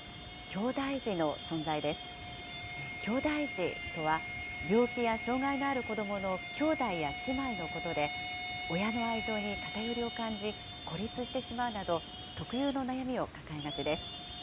きょうだい児とは、病気や障害のある子どもの兄弟や姉妹のことで、親の愛情に偏りを感じ、孤立してしまうなど、特有の悩みを抱えがちです。